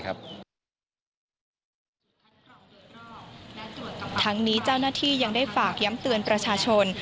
ทั้งนี้เจ้าหน้าที่ยังได้ฝากย้ำเตือนประชาชน